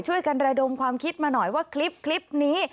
ช่วยกันระดมความคิดมาหน่อยว่าคลิปนี้